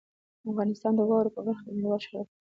افغانستان د واورو په برخه کې نړیوال شهرت لري.